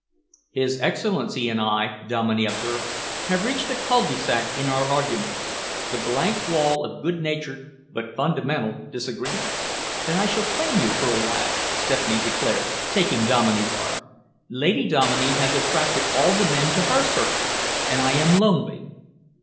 "His Excellency and I," Dominey observed, "have reached a cul de sac in our argument, the blank wall of good natured but fundamental disagreement." "Then I shall claim you for a while," Stephanie declared, taking Dominey's arm. "Lady Dominey has attracted all the men to her circle, and I am lonely."